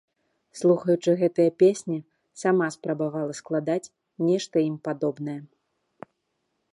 Слухаючы гэтыя песні, сама спрабавала складаць нешта ім падобнае.